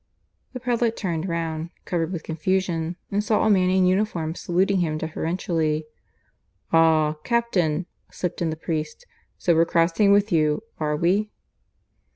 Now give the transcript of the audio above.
The prelate turned round, covered with confusion, and saw a man in uniform saluting him deferentially. "Ah! captain," slipped in the priest. "So we're crossing with you, are we?"